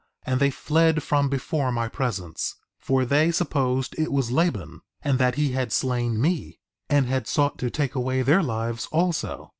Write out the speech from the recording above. And they fled from before my presence; for they supposed it was Laban, and that he had slain me and had sought to take away their lives also.